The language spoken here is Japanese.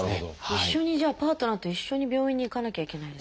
一緒にじゃあパートナーと一緒に病院に行かなきゃいけないんですか？